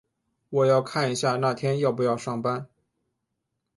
我要看一下那天要不要上班。